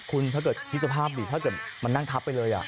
คุณถ้าเกิดคิดสภาพดิถ้าเกิดมันนั่งทับไปเลย